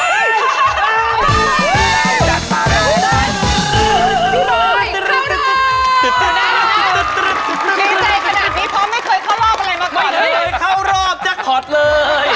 ดีใจขนาดนี้เพราะไม่เคยเข้ารอบอะไรมาก่อนเลย